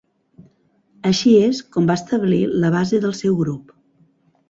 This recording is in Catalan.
Així es com va establir la base del seu grup.